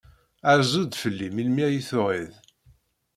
Rzu-d fell-i melmi ay tuɛid.